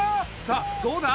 さあどうだ？